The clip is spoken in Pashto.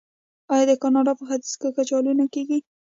آیا د کاناډا په ختیځ کې کچالو نه کیږي؟